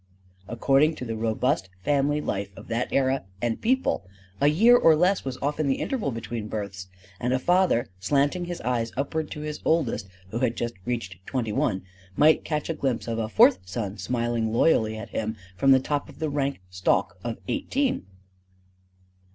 According to the robust family life of that era and people, a year or less was often the interval between births; and a father, slanting his eyes upward to his oldest who had just reached twenty one, might catch a glimpse of a fourth son smiling loyally at him from the top of the rank stalk of eighteen.